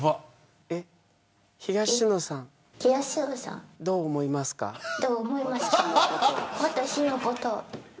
東野さん、どう思いますか私のこと。